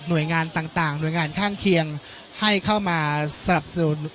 โดยงานต่างหน่วยงานข้างเคียงให้เข้ามาสนับสนุน